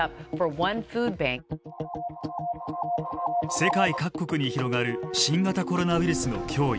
世界各国に広がる新型コロナウイルスの脅威。